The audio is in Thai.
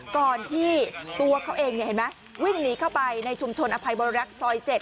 ก่อนที่ตัวเขาเองเห็นไหมวิ่งหนีเข้าไปในชุมชนอภัยบริรักษ์ซอย๗